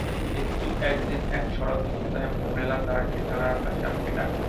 কিন্তু একদিন এক শরৎ-সন্ধ্যায় মোরেলা তার বিছানার পাশে আমাকে ডাকল।